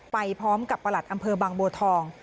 ไปพร้อมกับประหลัดอำเภอบางบัวทอง